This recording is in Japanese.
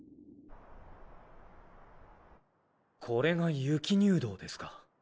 これが雪入道ですか。